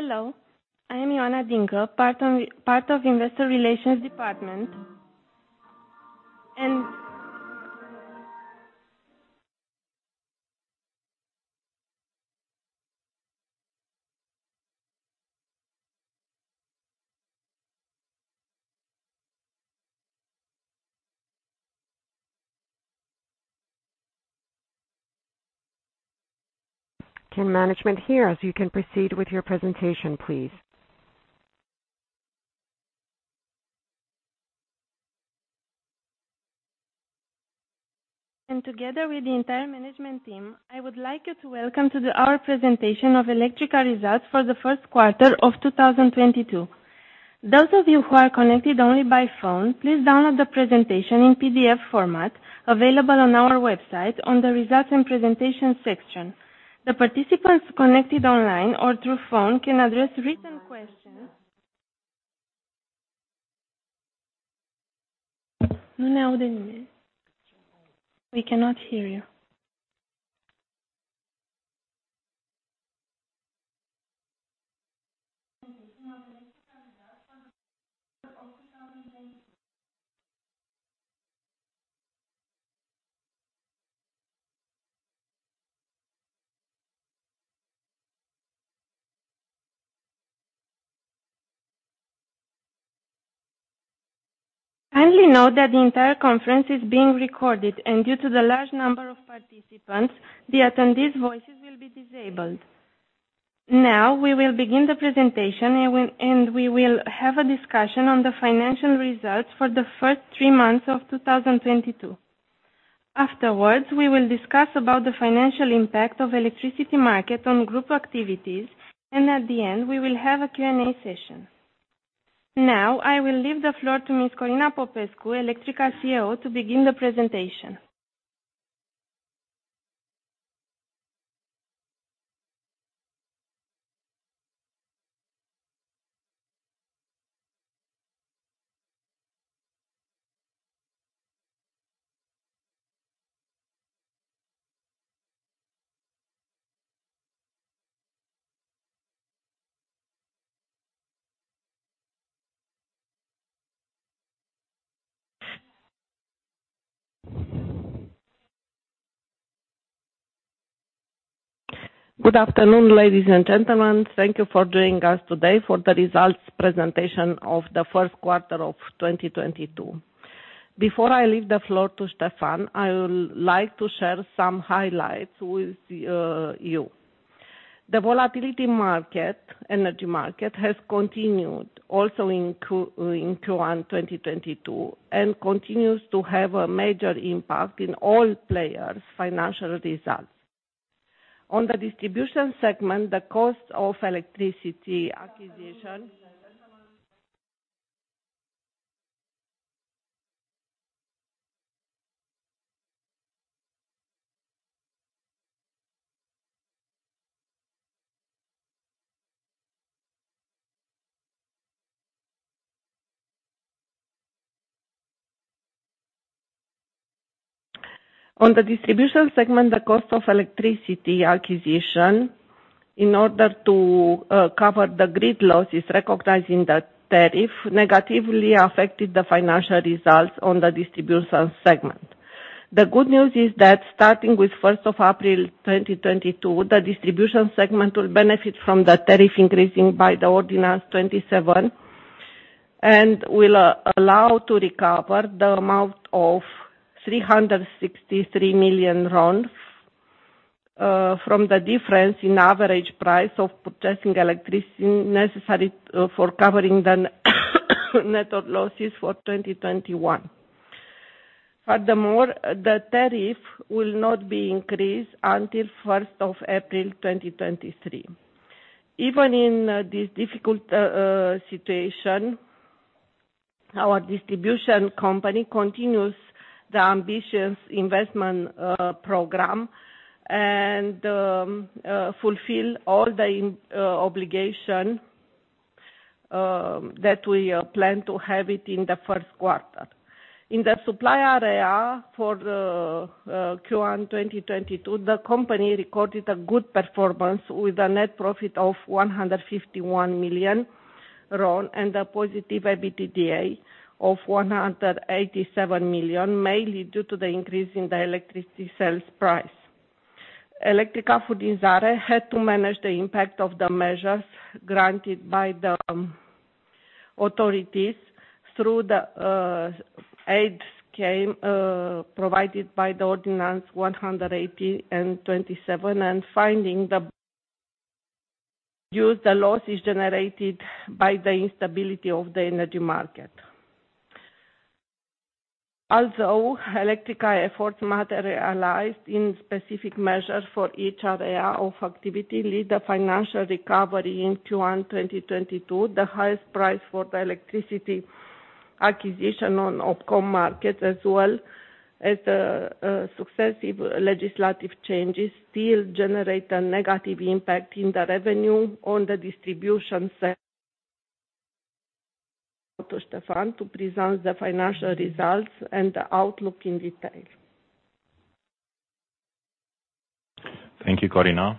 Hello. I am Jana Dingo, part of Investor Relations Department. Can management hear us? You can proceed with your presentation, please. Together with the entire management team, I would like you to welcome to our presentation of Electrica results for the first quarter of 2022. Those of you who are connected only by phone, please download the presentation in PDF format available on our website on the Results and Presentation section. The participants connected online or through phone can address written questions. We cannot hear you. Kindly note that the entire conference is being recorded, and due to the large number of participants, the attendees' voices will be disabled. Now, we will begin the presentation and we will have a discussion on the financial results for the first three months of 2022. Afterwards, we will discuss about the financial impact of electricity market on group activities, and at the end, we will have a Q&A session. Now, I will leave the floor to Ms. Corina Popescu, Electrica CEO, to begin the presentation. Good afternoon, ladies and gentlemen. Thank you for joining us today for the results presentation of the first quarter of 2022. Before I leave the floor to Stefan, I will like to share some highlights with you. The volatility market, energy market, has continued also in Q1 2022 and continues to have a major impact in all players' financial results. On the distribution segment, the cost of electricity acquisition in order to cover the grid losses recognizing the tariff, negatively affected the financial results on the distribution segment. The good news is that starting with 1st of April 2022, the distribution segment will benefit from the tariff increasing by the Ordinance 27 and will allow to recover the amount of RON 363 million from the difference in average price of purchasing electricity necessary for covering the network losses for 2021. Furthermore, the tariff will not be increased until 1st of April 2023. Even in this difficult situation, our distribution company continues the ambitious investment program and fulfill all the obligations that we plan to have in the first quarter. In the supply area for the Q1 2022, the company recorded a good performance with a net profit of RON 151 million and a positive EBITDA of RON 187 million, mainly due to the increase in the electricity sales price. Electrica Furnizare had to manage the impact of the measures granted by the authorities through the aid scheme provided by the Ordinance 118 and 27 and finding the use of the losses generated by the instability of the energy market. Although Electrica efforts materialized in specific measures for each area of activity lead to financial recovery in Q1 2022, the highest price for the electricity acquisition on OPCOM market as well as the successive legislative changes still generate a negative impact on the revenue on the distribution segment. To Stefan to present the financial results and the outlook in detail. Thank you, Corina.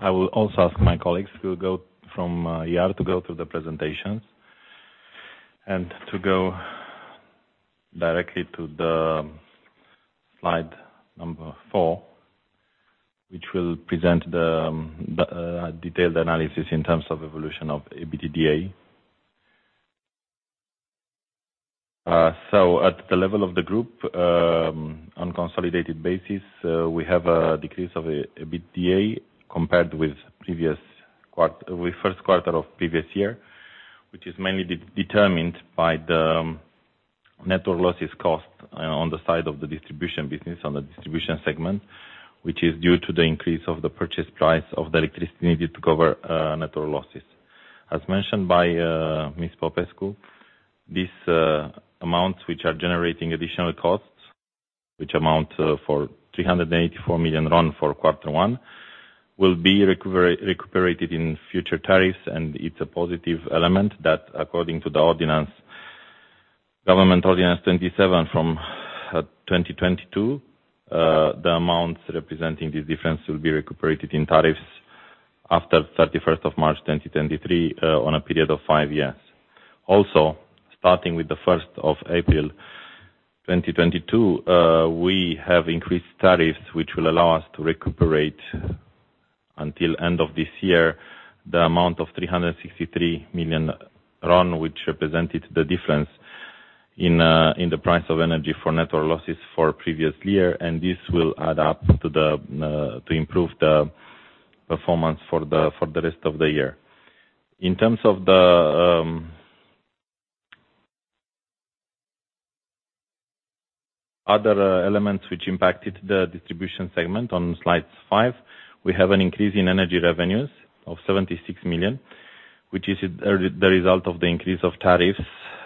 I will also ask my colleagues to go through the presentations and to go directly to the slide number four, which will present the detailed analysis in terms of evolution of EBITDA. At the level of the group, unconsolidated basis, we have a decrease of EBITDA compared with first quarter of previous year, which is mainly determined by the network losses cost, on the side of the distribution business, on the distribution segment. Which is due to the increase of the purchase price of the electricity needed to cover network losses. As mentioned by Ms. Popescu, these amounts, which are generating additional costs, which amount for RON 384 million for quarter one, will be recuperated in future tariffs. It's a positive element that according to the ordinance, Government Ordinance 27/2022, the amounts representing this difference will be recuperated in tariffs after 31st of March 2023, on a period of five years. Also, starting with the 1st of April 2022, we have increased tariffs, which will allow us to recuperate until end of this year, the amount of RON 363 million, which represented the difference in the price of energy for network losses for previous year. This will add up to improve the performance for the rest of the year. In terms of the other elements which impacted the distribution segment on slide five, we have an increase in energy revenues of RON 76 million, which is the result of the increase of tariffs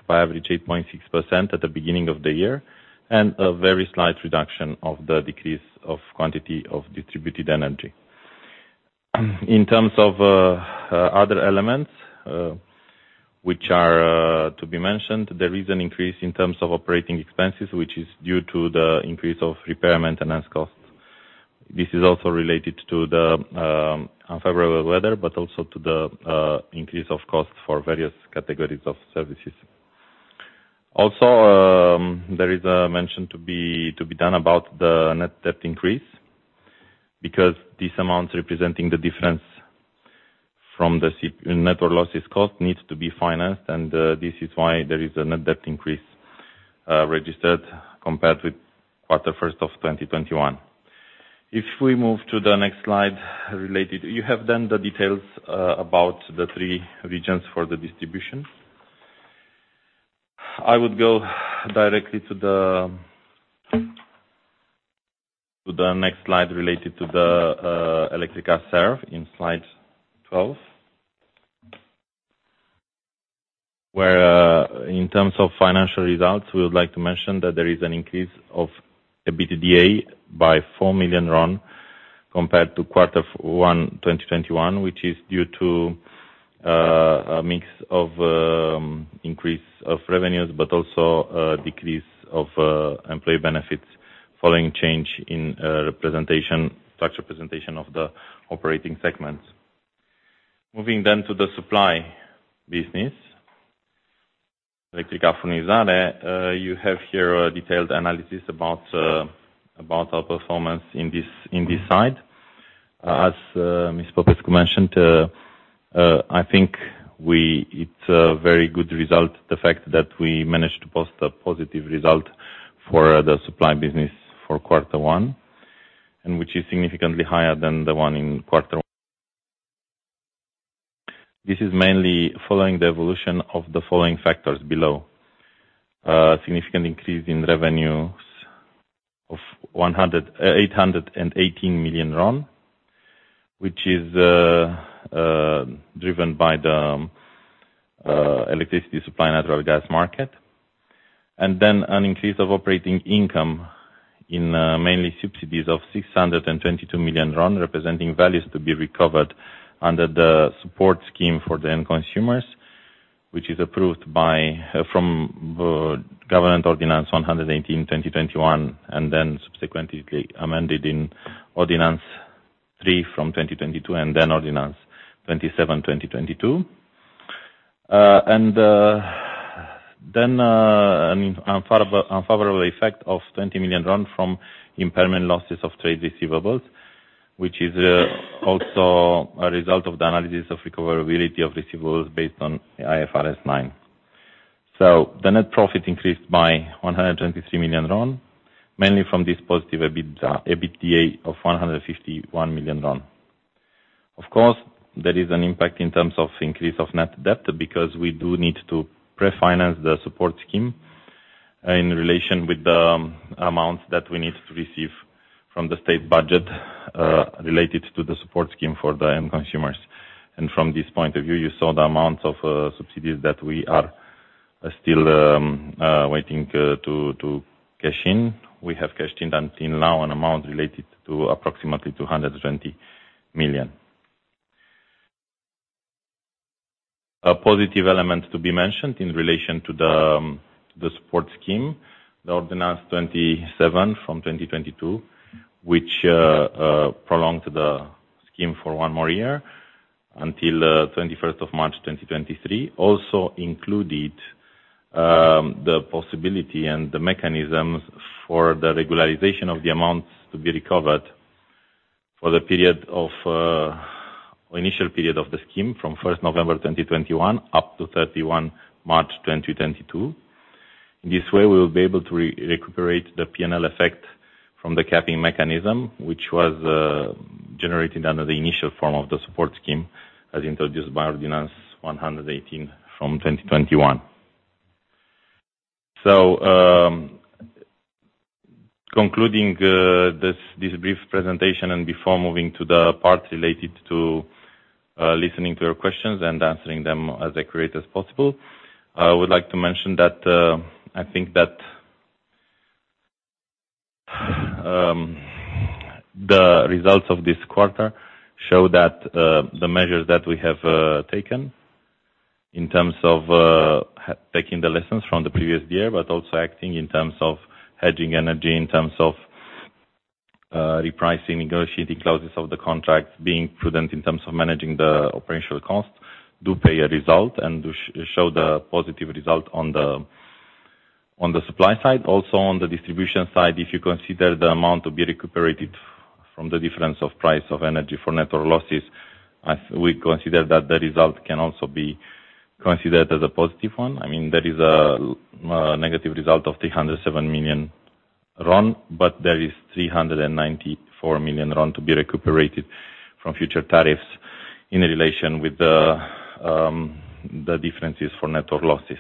by average 8.6% at the beginning of the year. A very slight reduction of the decrease of quantity of distributed energy. In terms of other elements which are to be mentioned, there is an increase in terms of operating expenses, which is due to the increase of repair and maintenance costs. This is also related to the unfavorable weather, but also to the increase of costs for various categories of services. There is a mention to be done about the net debt increase because this amount representing the difference from the network losses cost needs to be financed, and this is why there is a net debt increase registered compared with first quarter of 2021. If we move to the next slide related to, you have the details about the three regions for the distribution. I would go directly to the next slide related to the Electrica Serv in slide 12. Where, in terms of financial results, we would like to mention that there is an increase of the EBITDA by 4 million RON compared to quarter one 2021, which is due to a mix of increase of revenues, but also a decrease of employee benefits following change in representation structure of the operating segments. Moving to the supply business, Electrica Furnizare, you have here a detailed analysis about our performance in this side. As Ms. Popescu mentioned, I think it's a very good result, the fact that we managed to post a positive result for the supply business for quarter one, and which is significantly higher than the one in quarter one. This is mainly following the evolution of the following factors below. A significant increase in revenues of RON 818 million, which is driven by the electricity supply, natural gas market. An increase of operating income mainly subsidies of RON 622 million, representing values to be recovered under the support scheme for the end consumers, which is approved by Government Ordinance 118/2021, and then subsequently amended in Ordinance 3/2022, and then Ordinance 27/2022. An unfavorable effect of RON 20 million from impairment losses of trade receivables, which is also a result of the analysis of recoverability of receivables based on IFRS 9. The net profit increased by RON 123 million, mainly from this positive EBITDA of RON 151 million. Of course, there is an impact in terms of increase of net debt because we do need to pre-finance the support scheme in relation with the amounts that we need to receive from the state budget related to the support scheme for the end consumers. From this point of view, you saw the amount of subsidies that we are still waiting to cash in. We have cashed in until now an amount related to approximately RON 220 million. A positive element to be mentioned in relation to the support scheme, the Ordinance 27/2022, which prolonged the scheme for one more year until 21st of March 2023, also included the possibility and the mechanisms for the regularization of the amounts to be recovered for the period of initial period of the scheme from 1st November 2021 up to 31 March 2022. This way, we will be able to recuperate the P&L effect from the capping mechanism, which was generated under the initial form of the support scheme, as introduced by Ordinance 118/2021. Concluding, this brief presentation and before moving to the part related to, listening to your questions and answering them as accurate as possible, I would like to mention that, I think that the results of this quarter show that, the measures that we have taken in terms of, taking the lessons from the previous year, but also acting in terms of hedging energy, in terms of, repricing, negotiating clauses of the contract, being prudent in terms of managing the operational costs, do pay a result and do show the positive result on the supply side. Also on the distribution side, if you consider the amount to be recuperated from the difference of price of energy for network losses, as we consider that the result can also be considered as a positive one. I mean, there is a negative result of RON 307 million, but there is RON 394 million to be recuperated from future tariffs in relation with the differences for network losses.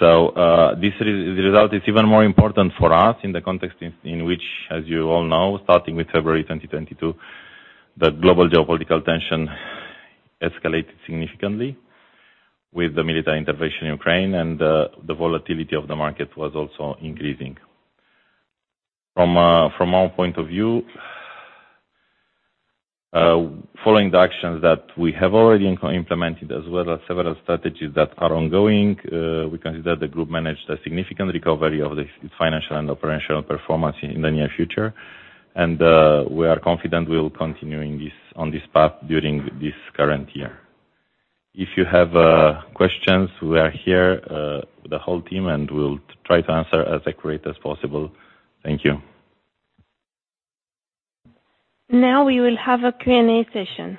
This result is even more important for us in the context in which, as you all know, starting with February 2022, the global geopolitical tension escalated significantly with the military intervention in Ukraine, and the volatility of the market was also increasing. From our point of view, following the actions that we have already implemented, as well as several strategies that are ongoing, we consider the group managed a significant recovery of the financial and operational performance in the near future. We are confident we will continuing this on this path during this current year. If you have questions, we are here, the whole team, and we'll try to answer as accurate as possible. Thank you. Now we will have a Q&A session.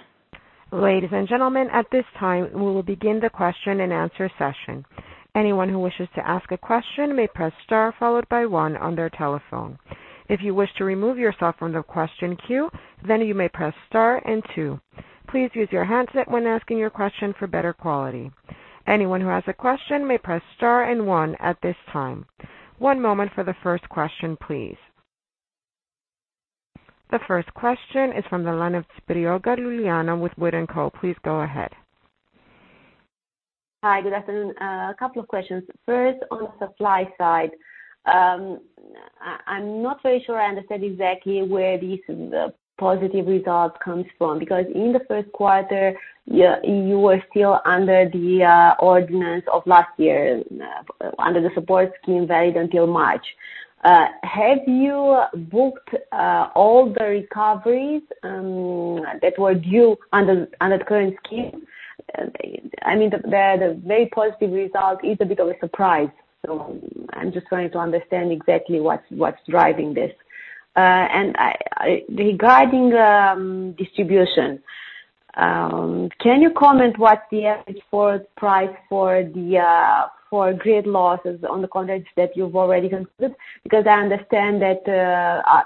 Ladies and gentlemen, at this time, we will begin the question-and-answer session. Anyone who wishes to ask a question may press star followed by one on their telephone. If you wish to remove yourself from the question queue, then you may press star and two. Please use your handset when asking your question for better quality. Anyone who has a question may press star and one at this time. One moment for the first question, please. The first question is from the line of Ciopraga Iuliana with WOOD & Co. Please go ahead. Hi, good afternoon. A couple of questions. First, on supply side, I'm not very sure I understand exactly where this positive result comes from, because in the first quarter, you were still under the ordinance of last year, under the support scheme valid until March. Have you booked all the recoveries that were due under the current scheme? I mean, the very positive result is a bit of a surprise. I'm just trying to understand exactly what's driving this. Regarding distribution, can you comment what the average price for the grid losses on the contracts that you've already concluded? Because I understand that,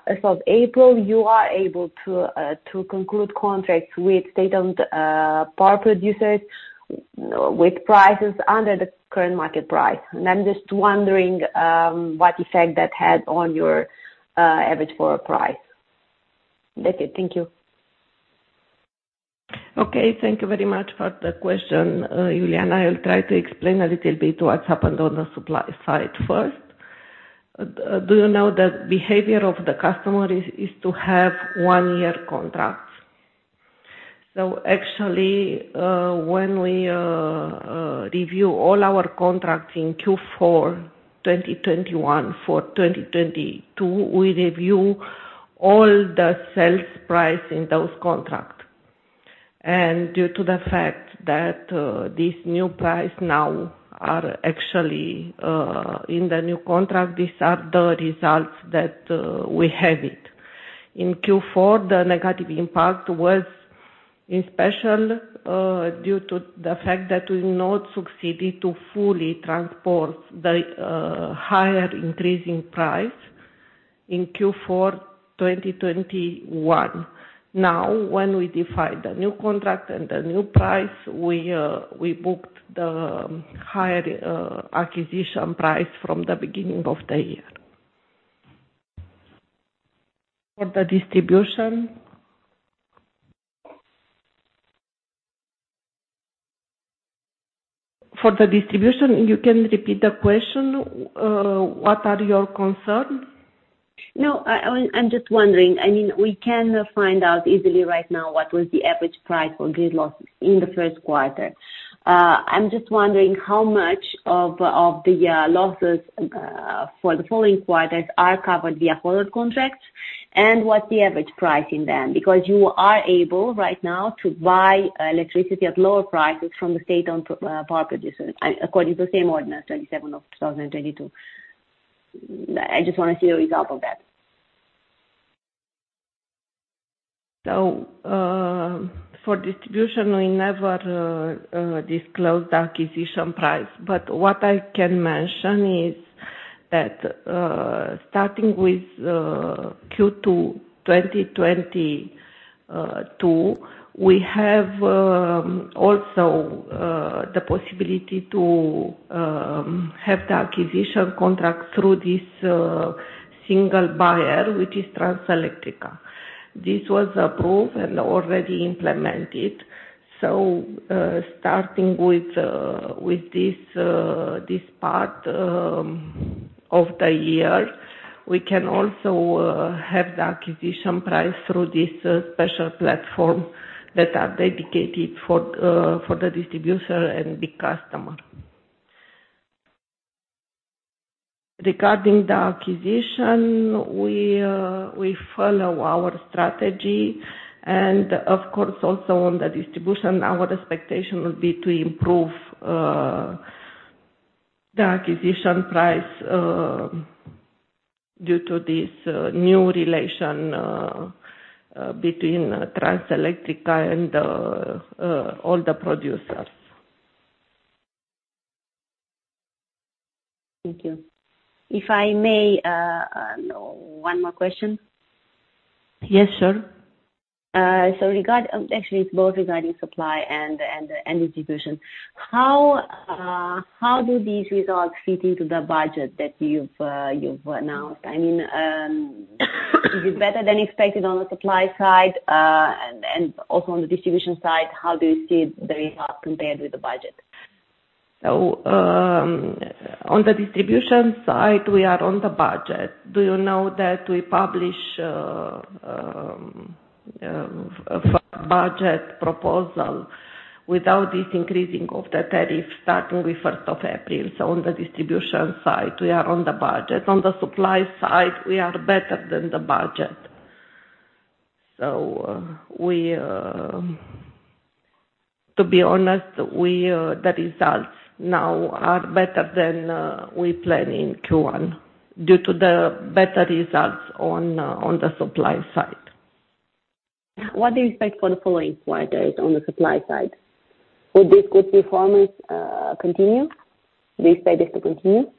as of April, you are able to conclude contracts with state power producers with prices under the current market price. I'm just wondering what effect that had on your average forward price. That's it. Thank you. Okay. Thank you very much for the question, Iuliana. I'll try to explain a little bit what's happened on the supply side first. You know, the behavior of the customer is to have one-year contracts. Actually, when we review all our contracts in Q4 2021 for 2022, we review all the sales price in those contract. Due to the fact that this new price now are actually in the new contract, these are the results that we have it. In Q4, the negative impact was especially due to the fact that we not succeeded to fully transport the higher increasing price in Q4 2021. Now, when we define the new contract and the new price, we booked the higher acquisition price from the beginning of the year. For the distribution For the distribution, you can repeat the question. What are your concerns? No, I'm just wondering, I mean, we can find out easily right now what was the average price for grid losses in the first quarter. I'm just wondering how much of the losses for the following quarters are covered via forward contracts, and what the average pricing then. Because you are able right now to buy electricity at lower prices from the state-owned power producers, according to the same Ordinance 27/2022. I just wanna see a result of that. For distribution, we never disclose the acquisition price. What I can mention is that, starting with Q2 2022, we have also the possibility to have the acquisition contract through this single buyer, which is Transelectrica. This was approved and already implemented. Starting with this part of the year, we can also have the acquisition price through this special platform that are dedicated for the distributor and the customer. Regarding the acquisition, we follow our strategy and of course also on the distribution, our expectation will be to improve the acquisition price due to this new relation between Transelectrica and all the producers. Thank you. If I may, one more question. Yes, sure. Actually it's both regarding supply and distribution. How do these results fit into the budget that you've announced? I mean, is it better than expected on the supply side? Also on the distribution side, how do you see the results compared with the budget? On the distribution side, we are on the budget. Do you know that we publish budget proposal without increasing the tariff starting with 1st of April? On the distribution side, we are on the budget. On the supply side, we are better than the budget. To be honest, the results now are better than we plan in Q1 due to the better results on the supply side. What do you expect for the following quarters on the supply side? Will this good performance continue? Do you expect this to continue?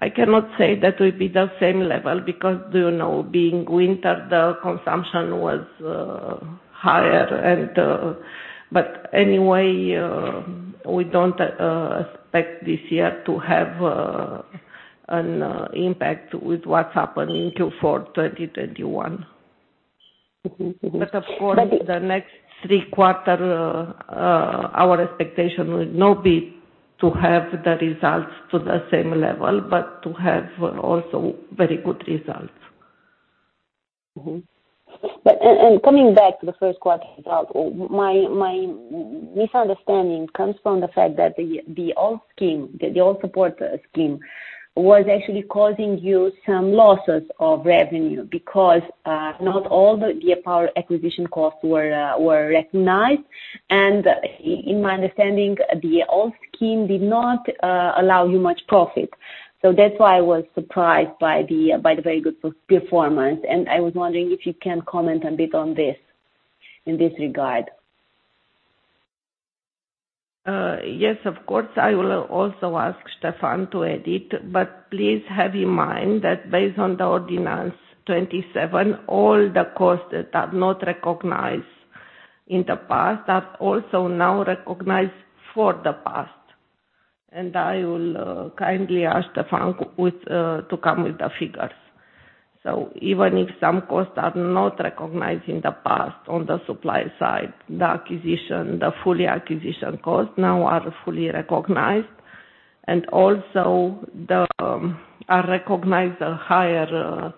I cannot say that will be the same level because, you know, being winter, the consumption was higher. Anyway, we don't expect this year to have an impact with what's happening to Q4 2021. Mm-hmm. Of course. But-... the next three quarters, our expectation will not be to have the results to the same level, but to have also very good results. Coming back to the first quarter result, my misunderstanding comes from the fact that the old support scheme was actually causing you some losses of revenue because not all the power acquisition costs were recognized. In my understanding, the old scheme did not allow you much profit. That's why I was surprised by the very good performance. I was wondering if you can comment a bit on this in this regard. Yes, of course. I will also ask Stefan to add it, but please have in mind that based on the ordinance 27, all the costs that are not recognized in the past are also now recognized for the past. I will kindly ask Stefan to come with the figures. Even if some costs are not recognized in the past on the supply side, the acquisition, the full acquisition costs now are fully recognized, and also there are recognized a higher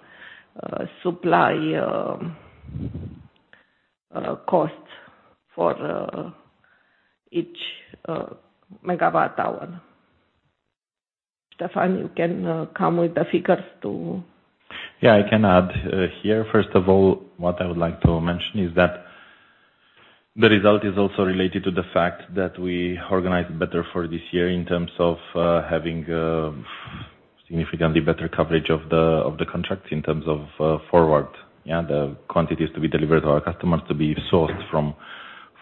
supply cost for each MW hour. Stefan, you can come with the figures to- Yeah, I can add here. First of all, what I would like to mention is that the result is also related to the fact that we organized better for this year in terms of having significantly better coverage of the contracts in terms of forward. Yeah, the quantities to be delivered to our customers to be sourced from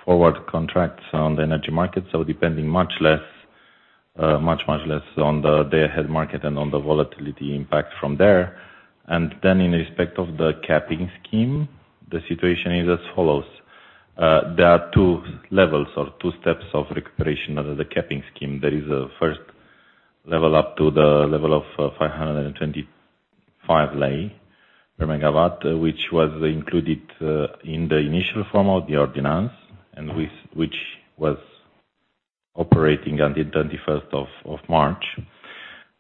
forward contracts on the energy market. Depending much less on the day-ahead market and on the volatility impact from there. Then in respect of the capping scheme, the situation is as follows. There are two levels or two steps of recuperation under the capping scheme. There is a first level up to the level of RON 525 per MW, which was included in the initial form of the ordinance, and with which was operating on the 21st of March,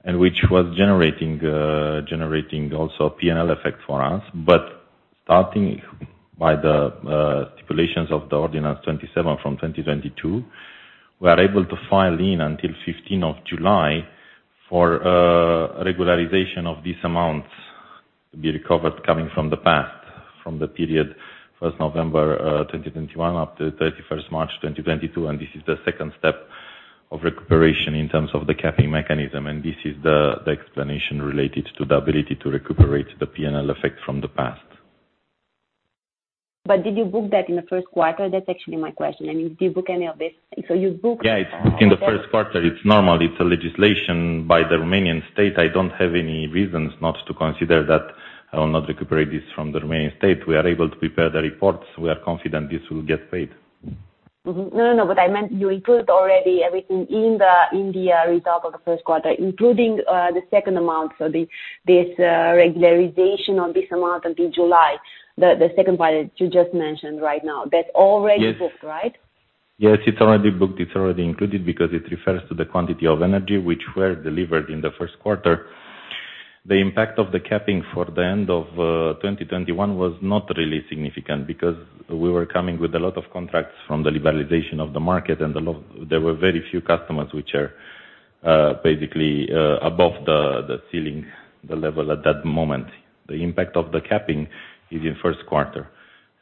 and which was generating also P&L effect for us. Starting by the stipulations of Ordinance 27/2022, we are able to file in until 15 July for regularization of these amounts to be recovered coming from the past, from the period 1st November 2021 up to 31st March 2022, and this is the second step of recuperation in terms of the capping mechanism. This is the explanation related to the ability to recuperate the P&L effect from the past. Did you book that in the first quarter? That's actually my question. I mean, did you book any of this? You booked, Yeah, it's booked in the first quarter. It's normal. It's a legislation by the Romanian state. I don't have any reasons not to consider that I will not recuperate this from the Romanian state. We are able to prepare the reports. We are confident this will get paid. No, I meant you include already everything in the result of the first quarter, including the second amount. This regularization of this amount until July, the second part that you just mentioned right now, that's already. Yes. booked, right? Yes, it's already booked. It's already included because it refers to the quantity of energy which were delivered in the first quarter. The impact of the capping for the end of 2021 was not really significant because we were coming with a lot of contracts from the liberalization of the market. There were very few customers which are basically above the ceiling, the level at that moment. The impact of the capping is in first quarter.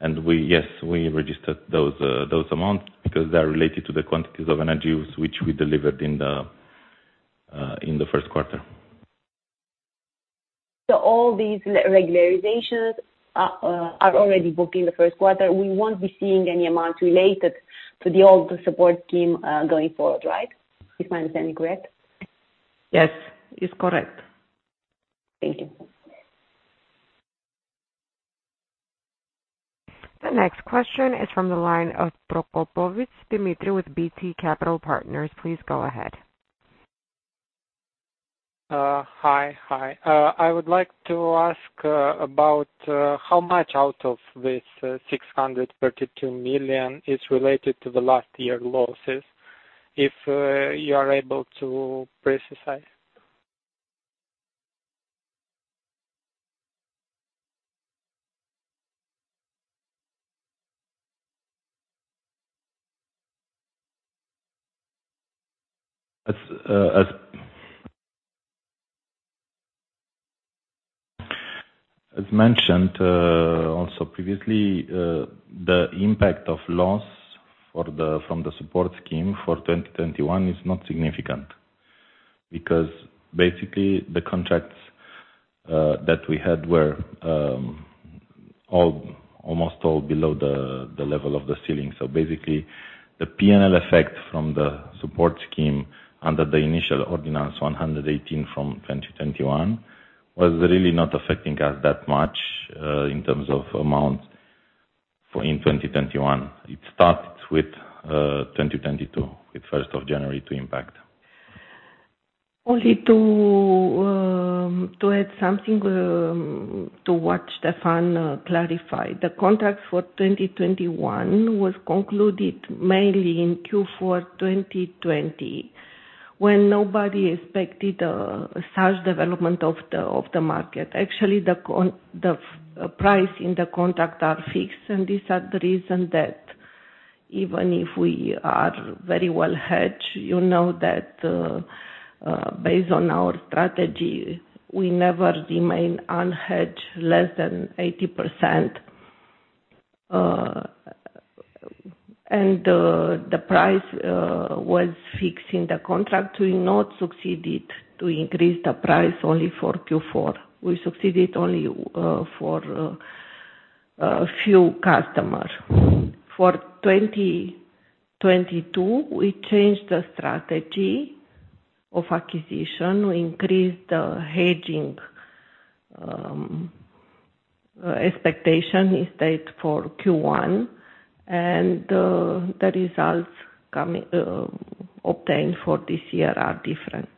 We, yes, we registered those amounts because they are related to the quantities of energy which we delivered in the first quarter. All these regularizations are already booked in the first quarter. We won't be seeing any amounts related to the old support scheme, going forward, right? Is my understanding correct? Yes, it's correct. Thank you. The next question is from the line of Procopovici Dumitru with BT Capital Partners. Please go ahead. I would like to ask about how much out of this RON 632 million is related to the last year losses, if you are able to specify. As mentioned, also previously, the impact of loss from the support scheme for 2021 is not significant. Because basically the contracts that we had were almost all below the level of the ceiling. Basically the P&L effect from the support scheme under the initial Ordinance 118 from 2021 was really not affecting us that much in terms of amounts in 2021. It starts with 2022, 1st of January to impact. Only to add something to what Stefan clarified. The contracts for 2021 was concluded mainly in Q4 2020, when nobody expected such development of the market. Actually, the fixed price in the contract are fixed, and this is the reason that even if we are very well hedged, you know that, based on our strategy, we never remain unhedged less than 80%. The price was fixed in the contract. We did not succeed to increase the price only for Q4. We succeeded only for a few customers. For 2022, we changed the strategy of acquisition. We increased the hedging expectation in advance for Q1, and the results obtained for this year are different.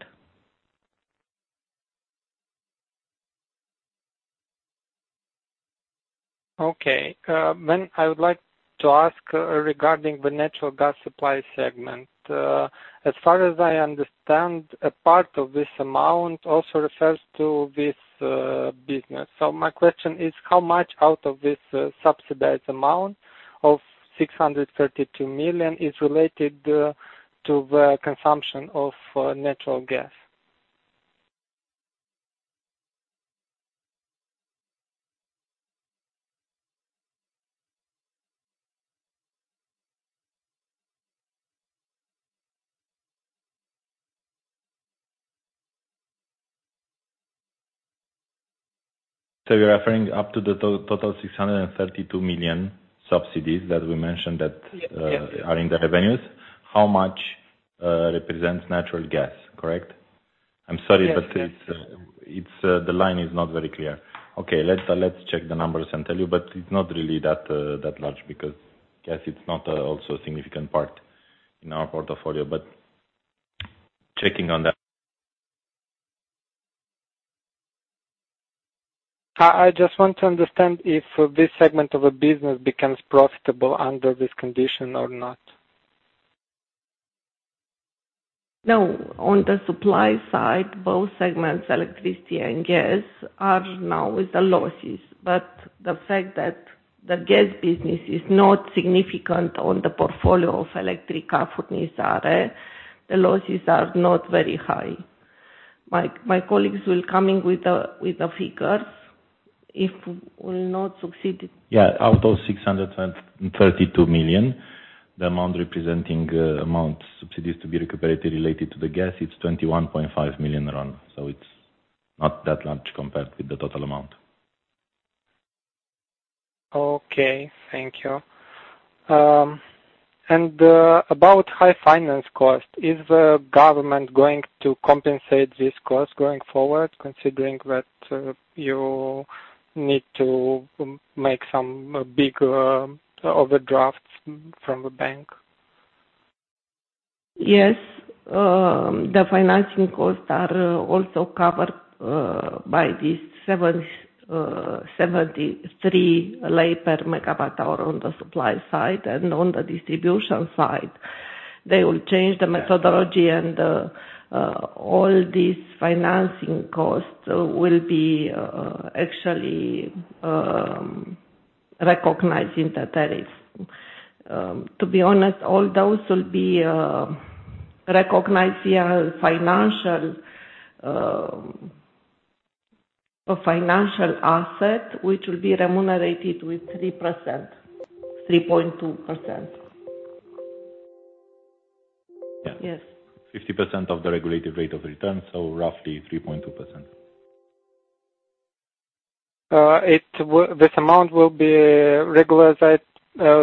Okay. I would like to ask regarding the natural gas supply segment. As far as I understand, a part of this amount also refers to this business. My question is, how much out of this subsidized amount of RON 632 million is related to the consumption of natural gas? You're referring up to the total RON 632 million subsidies that we mentioned. Yes. are in the revenues. How much represents natural gas, correct? I'm sorry, but it's Yes. It's the line is not very clear. Okay. Let's check the numbers and tell you, but it's not really that large because gas is not also a significant part in our portfolio. Checking on that. I just want to understand if this segment of a business becomes profitable under this condition or not. No. On the supply side, both segments, electricity and gas, are now with the losses. The fact that the gas business is not significant on the portfolio of Electrica Furnizare, the losses are not very high. My colleagues will come in with the figures if we'll not succeed. Yeah. Out of RON 632 million, the amount representing amount subsidies to be recuperated related to the gas, it's RON 21.5 million, so it's not that large compared with the total amount. Okay. Thank you. About high financing cost, is the government going to compensate this cost going forward, considering that you need to make some big overdrafts from the bank? Yes. The financing costs are also covered by these 73 RON per MWh on the supply side and on the distribution side. They will change the methodology and all these financing costs will be actually recognized in the tariff. To be honest, all those will be recognized via a financial asset which will be remunerated with 3%, 3.2%. Yeah. Yes. 50% of the regulated rate of return, so roughly 3.2%. This amount will be regulated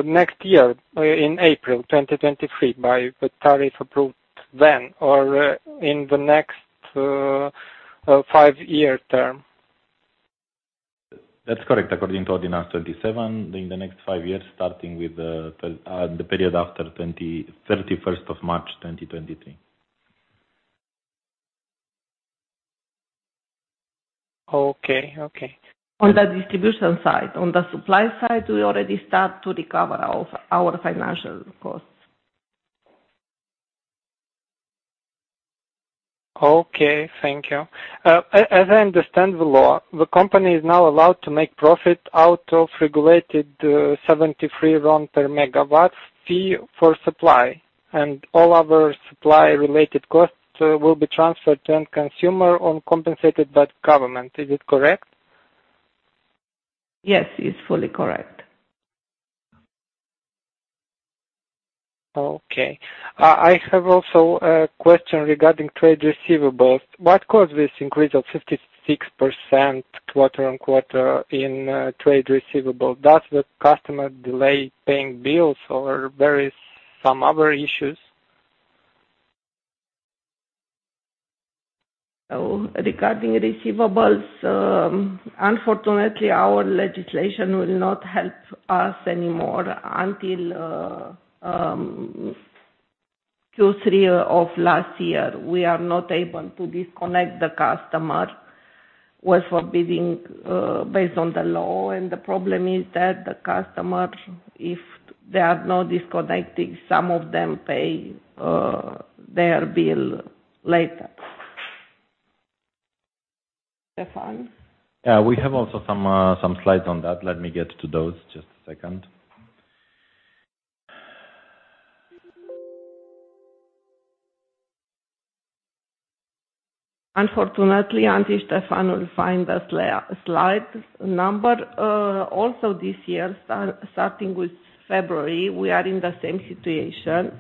next year in April 2023 by the tariff approved then or in the next five-year term? That's correct. According to Ordinance 27, in the next five years, starting with the period after 31st of March, 2023. Okay. Okay. On the distribution side. On the supply side, we already start to recover our financial costs. As I understand the law, the company is now allowed to make profit out of regulated 73 RON per MW fee for supply, and all other supply-related costs will be transferred to end consumer or compensated by government. Is it correct? Yes, it's fully correct. Okay. I have also a question regarding trade receivables. What caused this increase of 56% quarter-on-quarter in trade receivable? Does the customer delay paying bills or there is some other issues? Regarding receivables, unfortunately, our legislation will not help us anymore until Q3 of last year. We are not able to disconnect the customer with forbidding based on the law, and the problem is that the customer, if they are not disconnecting, some of them pay their bill later. Stefan? Yeah. We have also some slides on that. Let me get to those. Just a second. Unfortunately, until Stefan will find the slide number, also this year starting with February, we are in the same situation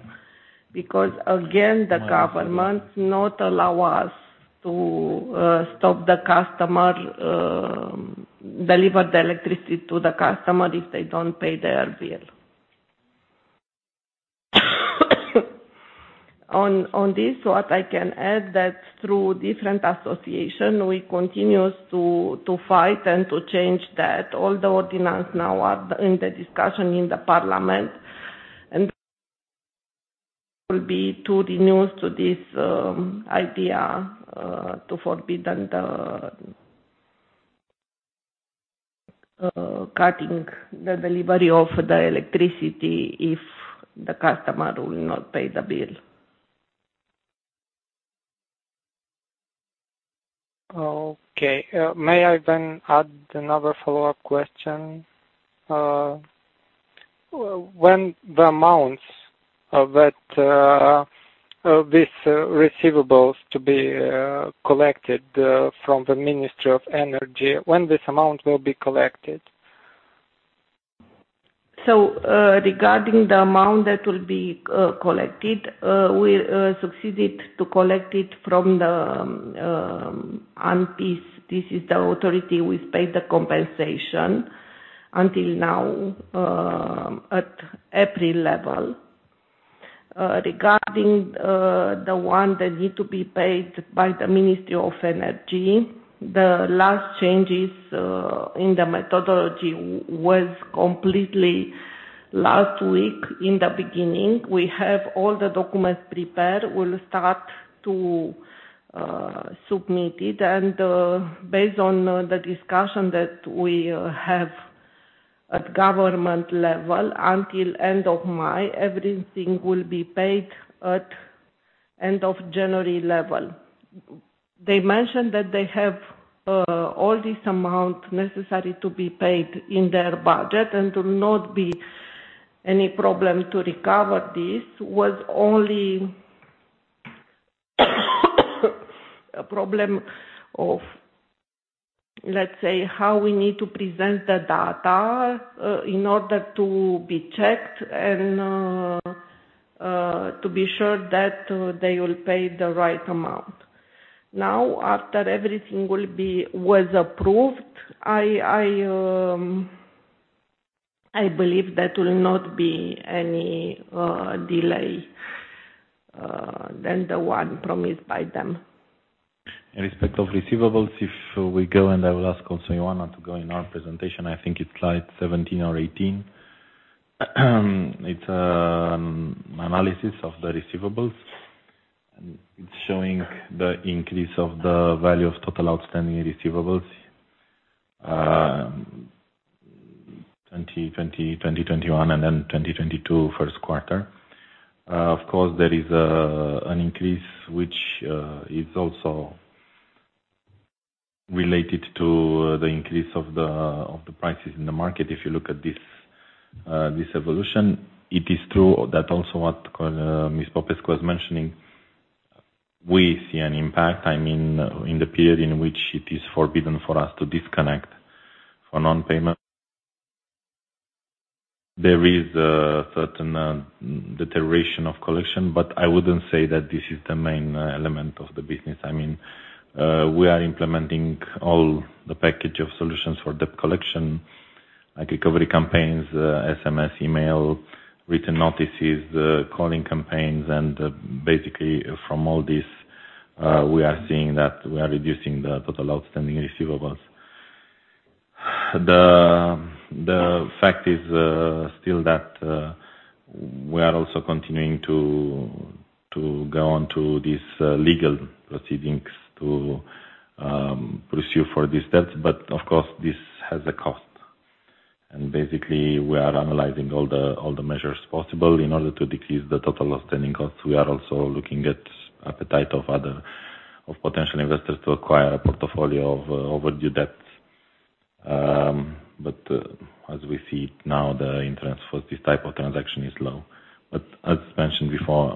because, again, the government not allow us to stop delivering the electricity to the customer if they don't pay their bill. On this, what I can add, that through different association, we continues to fight and to change that. All the ordinance now are in the discussion in the parliament, and will be to renew to this idea, to forbid and cutting the delivery of the electricity if the customer will not pay the bill. Okay. May I then add another follow-up question? When the amounts of this receivables to be collected from the Ministry of Energy, when this amount will be collected? Regarding the amount that will be collected, we succeeded to collect it from the ANPIS. This is the authority we pay the compensation until now, at every level. Regarding the one that need to be paid by the Ministry of Energy, the last changes in the methodology was completely. Last week, in the beginning, we have all the documents prepared. We'll start to submit it and based on the discussion that we have at government level, until end of May, everything will be paid at end of January level. They mentioned that they have all this amount necessary to be paid in their budget and to not be any problem to recover this was only a problem of, let's say, how we need to present the data in order to be checked and to be sure that they will pay the right amount. Now, after everything was approved, I believe there will not be any delay than the one promised by them. In respect of receivables, if we go, and I will ask also Ioana to go in our presentation, I think it's slide 17 or 18. It's analysis of the receivables, and it's showing the increase of the value of total outstanding receivables, 2020, 2021, and then 2022 first quarter. Of course, there is an increase which is also related to the increase of the prices in the market. If you look at this evolution, it is true that also what Ms. Popescu was mentioning, we see an impact, I mean, in the period in which it is forbidden for us to disconnect for non-payment. There is a certain deterioration of collection, but I wouldn't say that this is the main element of the business. I mean, we are implementing all the package of solutions for debt collection, like recovery campaigns, SMS, email, written notices, calling campaigns. Basically, from all this, we are seeing that we are reducing the total outstanding receivables. The fact is still that we are also continuing to go on to these legal proceedings to pursue for these debts. Of course, this has a cost. Basically, we are analyzing all the measures possible in order to decrease the total outstanding costs. We are also looking at appetite of potential investors to acquire a portfolio of overdue debts. As we see now, the interest for this type of transaction is low. As mentioned before,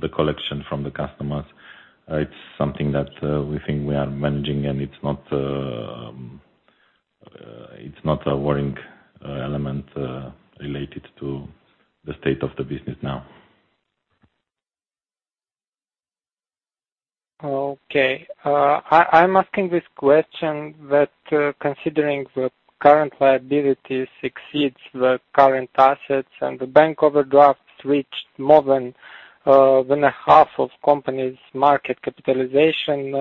the collection from the customers is something that we think we are managing, and it's not a worrying element related to the state of the business now. Okay. I'm asking this question that considering the current liabilities exceeds the current assets and the bank overdrafts reached more than a half of company's market capitalization,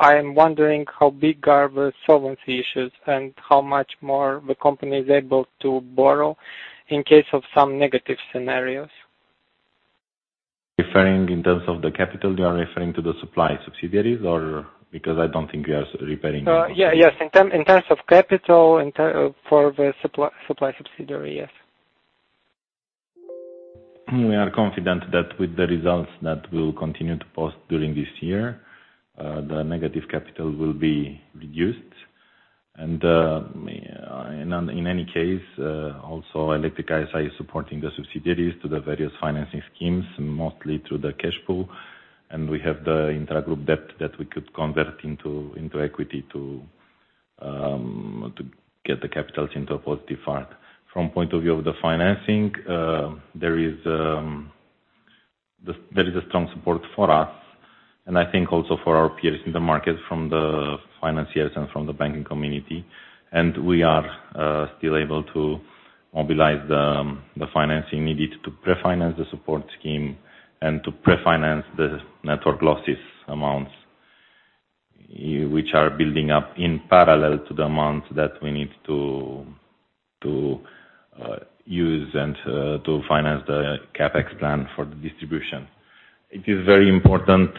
I am wondering how big are the solvency issues and how much more the company is able to borrow in case of some negative scenarios. Referring in terms of the capital, you are referring to the supply subsidiaries or? Because I don't think we are referring. Yeah, yes. In terms of capital for the supply subsidiary, yes. We are confident that with the results that we'll continue to post during this year, the negative capital will be reduced. In any case, also Electrica S.A. is supporting the subsidiaries to the various financing schemes, mostly through the cash pooling. We have the intragroup debt that we could convert into equity to get the capitals into a positive part. From point of view of the financing, there is a strong support for us and I think also for our peers in the market from the financiers and from the banking community. We are still able to mobilize the financing needed to pre-finance the support scheme and to pre-finance the network losses amounts, which are building up in parallel to the amounts that we need to use and to finance the CapEx plan for the distribution. It is very important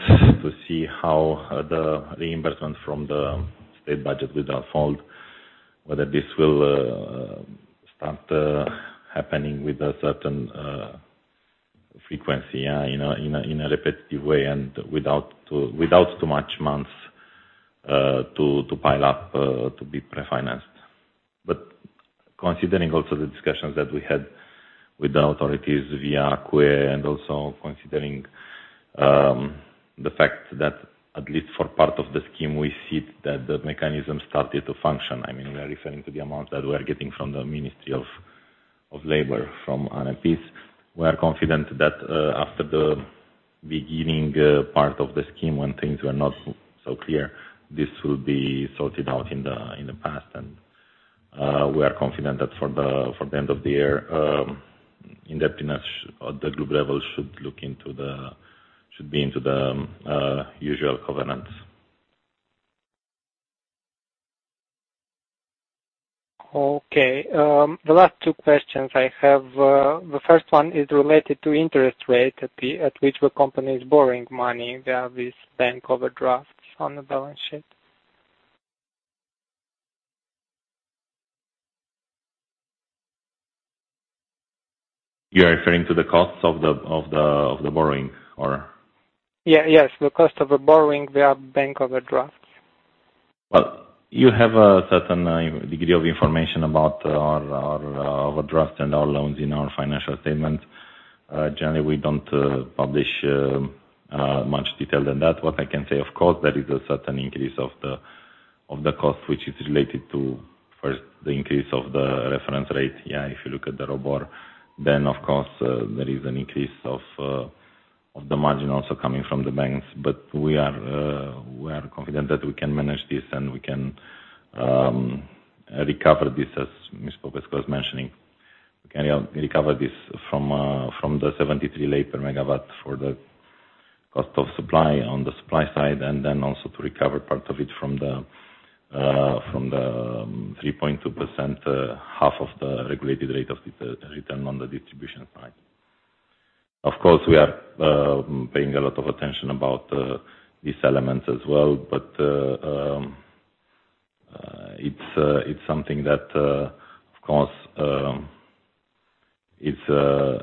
to see how the reimbursement from the state budget will unfold, whether this will start happening with a certain frequency in a repetitive way and without too much months to pile up to be pre-financed. Considering also the discussions that we had with the authorities via ACUE and also considering the fact that at least for part of the scheme, we see that the mechanism started to function. I mean, we are referring to the amount that we are getting from the Ministry of Labor, from ANPIS. We are confident that after the beginning part of the scheme, when things were not so clear, this will be sorted out in the past. We are confident that for the end of the year, indebtedness at the group level should be in the usual covenants. Okay. The last two questions I have, the first one is related to interest rate at which the company is borrowing money. They have these bank overdrafts on the balance sheet. You are referring to the costs of the borrowing or? Yeah. Yes, the cost of the borrowing. They are bank overdrafts. Well, you have a certain degree of information about our overdraft and our loans in our financial statement. Generally, we don't publish more detail than that. What I can say, of course, there is a certain increase of the cost, which is related to, first, the increase of the reference rate. Yeah, if you look at the ROBOR, then of course, there is an increase of the margin also coming from the banks. We are confident that we can manage this and we can recover this, as Ms. Popescu was mentioning. We can recover this from the 73 RON per MW for the cost of supply on the supply side, and then also to recover part of it from the 3.2%, half of the regulated rate of the return on the distribution side. Of course, we are paying a lot of attention about these elements as well, but it's something that, of course, is to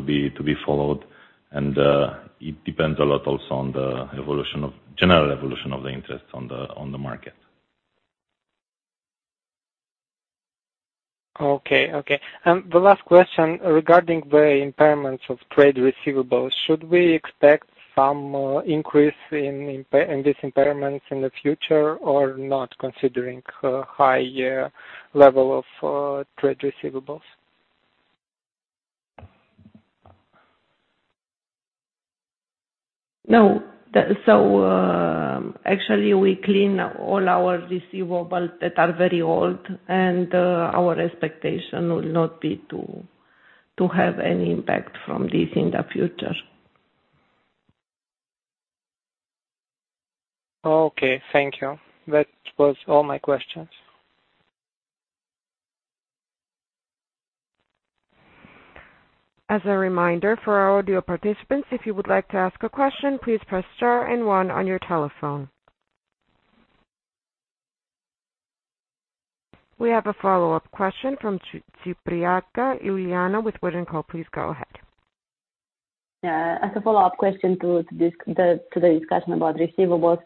be followed and it depends a lot also on the evolution of general evolution of the interest on the market. The last question regarding the impairments of trade receivables. Should we expect some increase in these impairments in the future or not, considering high level of trade receivables? No. Actually, we clean all our receivables that are very old, and our expectation will not be to have any impact from this in the future. Okay. Thank you. That was all my questions. As a reminder for our audio participants, if you would like to ask a question, please press star and one on your telephone. We have a follow-up question from Ciopraga Iuliana with WOOD & Co. Please go ahead. Yeah. As a follow-up question to the discussion about receivables.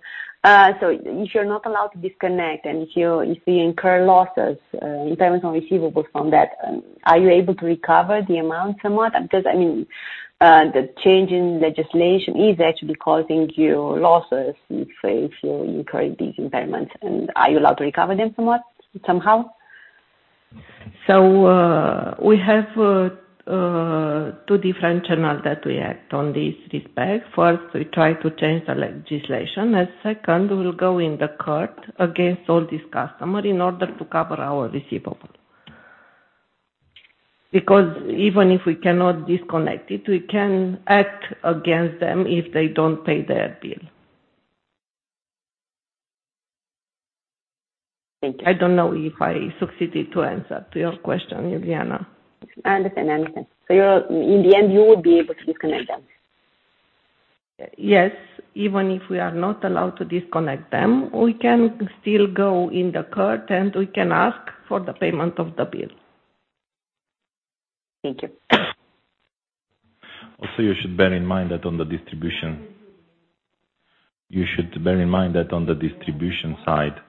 So if you're not allowed to disconnect, and if you incur losses in terms of receivables from that, are you able to recover the amount somewhat? Because, I mean, the change in legislation is actually causing you losses if you incur these impairments, and are you allowed to recover them somewhat, somehow? We have two different channels that we act on in this respect. First, we try to change the legislation. Second, we will go to court against all these customers in order to cover our receivables. Because even if we cannot disconnect them, we can act against them if they don't pay their bill. Thank you. I don't know if I succeeded to answer to your question, Iuliana. I understand. You're, in the end, you will be able to disconnect them. Yes. Even if we are not allowed to disconnect them, we can still go to the court, and we can ask for the payment of the bill. Thank you. You should bear in mind that on the distribution side,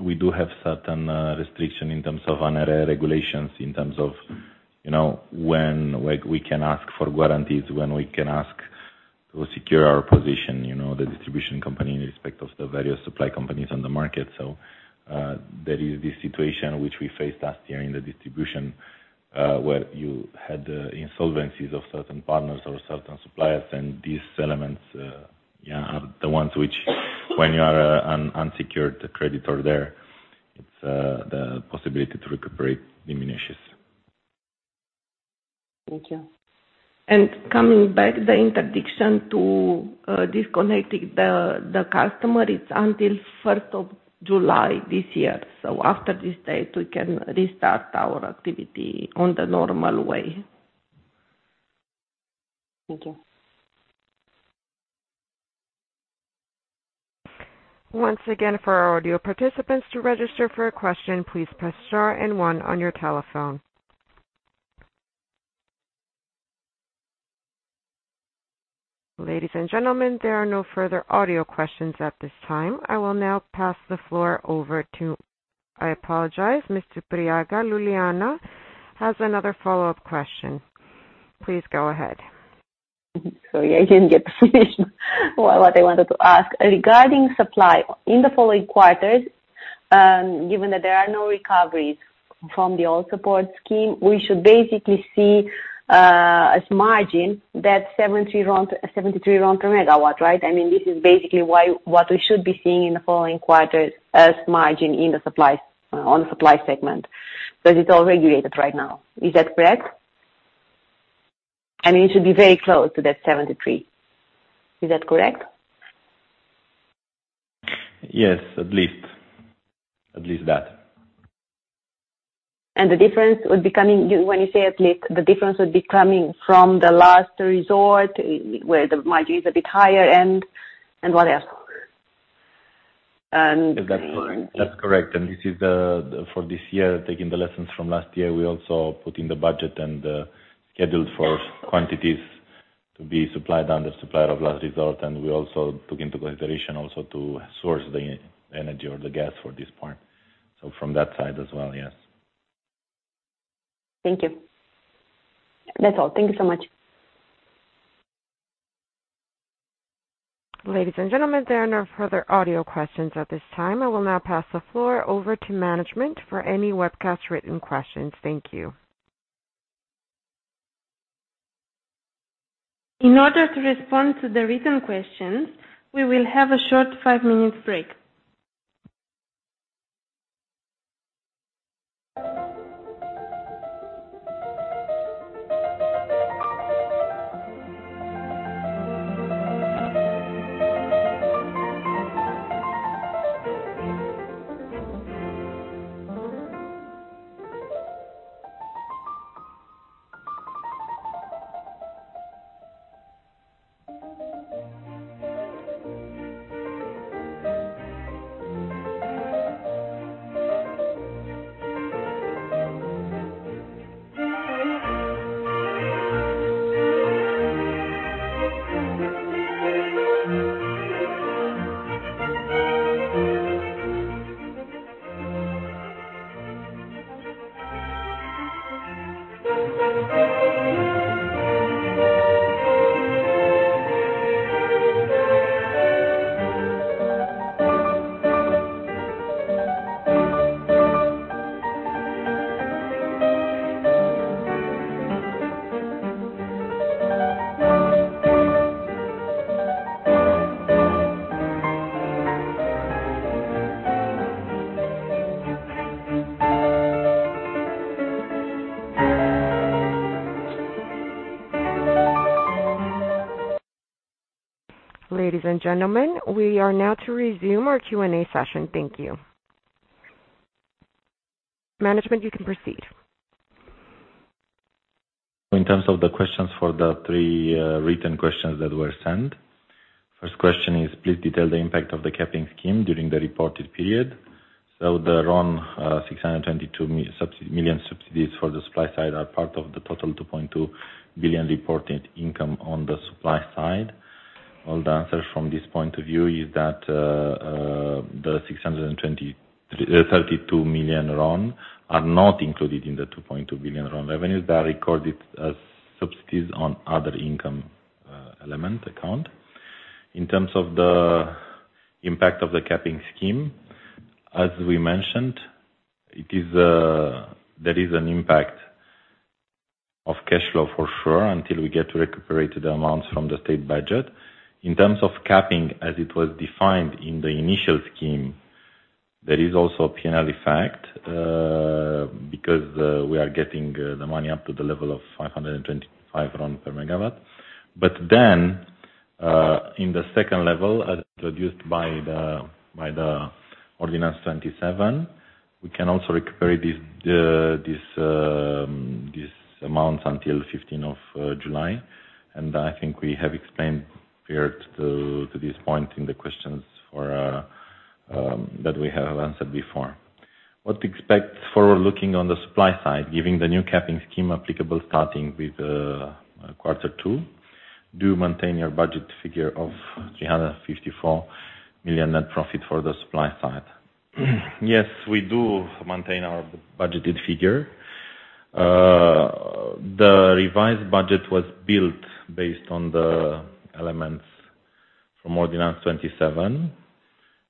we do have certain restriction in terms of ANRE regulations, in terms of, you know, when, like, we can ask for guarantees, when we can ask to secure our position, you know, the distribution company in respect of the various supply companies on the market. There is this situation which we faced last year in the distribution, where you had insolvencies of certain partners or certain suppliers, and these elements, yeah, the ones which when you are an unsecured creditor there, it's the possibility to recuperate diminishes. Thank you. Coming back, the interdiction to disconnecting the customer, it's until 1st of July this year. After this date, we can restart our activity on the normal way. Thank you. Once again, for our audio participants, to register for a question, please press star and one on your telephone. Ladies and gentlemen, there are no further audio questions at this time. I apologize. Ms. Ciopraga Iuliana a has another follow-up question. Please go ahead. Sorry, I didn't get to finish what I wanted to ask. Regarding supply, in the following quarters, given that there are no recoveries from the old support scheme, we should basically see as margin that RON 70, RON 73 per MW, right? I mean, this is basically why, what we should be seeing in the following quarters as margin in the supply, on the supply segment, but it's all regulated right now. Is that correct? It should be very close to that 73. Is that correct? Yes. At least that. When you say at least, the difference would be coming from the last resort, where the margin is a bit higher and what else? That's correct. This is for this year, taking the lessons from last year, we also put in the budget and scheduled for quantities to be supplied under supplier of last resort. We also took into consideration also to source the energy or the gas for this part. From that side as well, yes. Thank you. That's all. Thank you so much. Ladies and gentlemen, there are no further audio questions at this time. I will now pass the floor over to management for any webcast written questions. Thank you. In order to respond to the written questions, we will have a short five-minute break. Ladies and gentlemen, we are now to resume our Q&A session. Thank you. Management, you can proceed. In terms of the questions for the three written questions that were sent. First question is: Please detail the impact of the capping scheme during the reported period. The RON 622 million subsidies for the supply side are part of the total RON 2.2 billion reported income on the supply side. Well, the answer from this point of view is that, the 632 million RON are not included in the RON 2.2 billion revenues. They are recorded as subsidies on other income element account. In terms of the impact of the capping scheme, as we mentioned, it is, there is an impact of cash flow for sure until we get to recuperate the amounts from the state budget. In terms of capping, as it was defined in the initial scheme, there is also a penalty factor, because we are getting the money up to the level of 525 RON per MW. Then, in the second level, as introduced by the Ordinance 27, we can also recuperate this amount until 15th of July. I think we have explained here to this point in the Q&A that we have answered before. What to expect forward-looking on the supply side, given the new capping scheme applicable starting with quarter two. Do you maintain your budget figure of RON 354 million net profit for the supply side? Yes, we do maintain our budgeted figure. The revised budget was built based on the elements from Ordinance 27,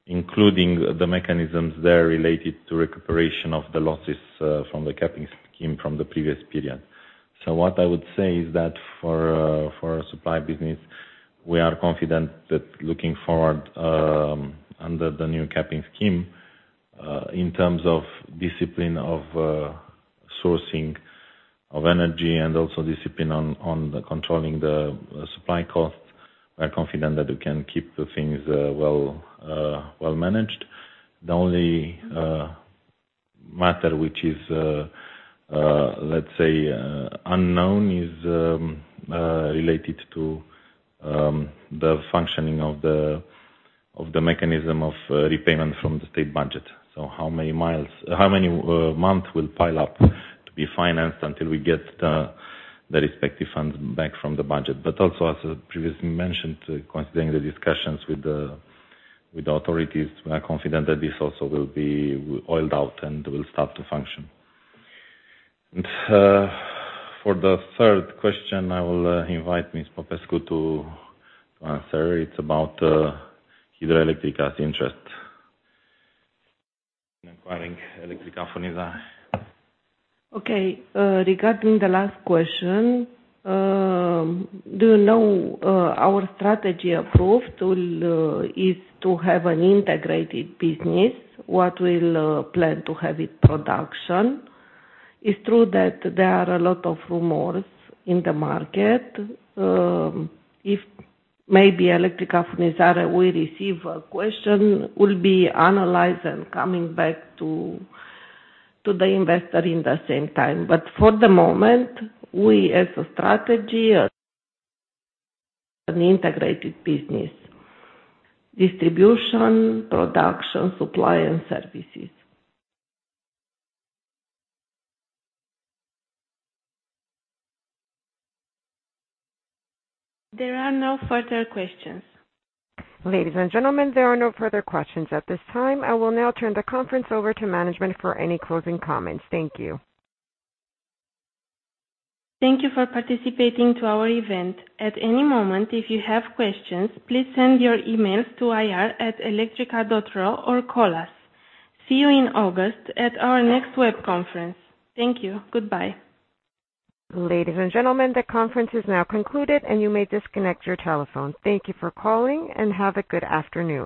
including the mechanisms there related to recuperation of the losses from the capping scheme from the previous period. What I would say is that for supply business, we are confident that looking forward, under the new capping scheme, in terms of discipline of sourcing of energy and also discipline on controlling the supply costs, we are confident that we can keep the things well managed. The only matter, which is, let's say, unknown, is related to the functioning of the mechanism of repayment from the state budget. How many months will pile up to be financed until we get the respective funds back from the budget? Also, as previously mentioned, considering the discussions with the authorities, we are confident that this also will be rolled out and will start to function. For the third question, I will invite Ms. Popescu to answer. It's about Hidroelectrica's interest in acquiring Electrica Furnizare. Okay, regarding the last question, you know, our approved strategy is to have an integrated business. What we'll plan to have is production. It's true that there are a lot of rumors in the market. If maybe Electrica Furnizare will receive a question, it will be analyzed and we'll come back to the investor at the same time. For the moment, our strategy is an integrated business. Distribution, production, supply and services. There are no further questions. Ladies and gentlemen, there are no further questions at this time. I will now turn the conference over to management for any closing comments. Thank you. Thank you for participating to our event. At any moment, if you have questions, please send your emails to ir@electrica.ro or call us. See you in August at our next web conference. Thank you. Goodbye. Ladies and gentlemen, the conference is now concluded, and you may disconnect your telephone. Thank you for calling, and have a good afternoon.